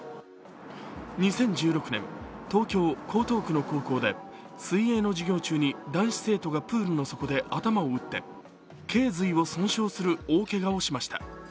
２０１６年、東京・江東区の高校で水泳の授業中に男子生徒がプールの底で頭を打ってけい髄を損傷する大けがをしました。